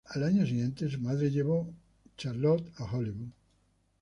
Al año siguiente, su madre llevó a Charlotte a Hollywood.